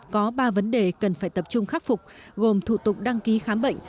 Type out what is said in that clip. có ba vấn đề cần phải tập trung khắc phục gồm thủ tục đăng ký khám bệnh